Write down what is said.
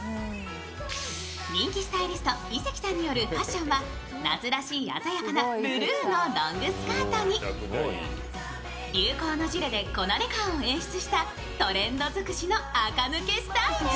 人気スタイリスト、井関さんによるファッションは夏らしい鮮やかなブルーのロングスカートに、流行のジレでこなれ感を演出した、トレンド尽くしのあか抜けスタイル。